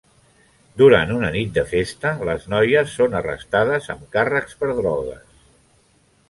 Durant una nit de festa, les noies són arrestades amb càrrecs per drogues.